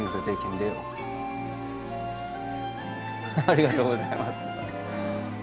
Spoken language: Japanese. ありがとうございます。